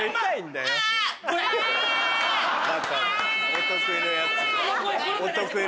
お得意のやつだよ。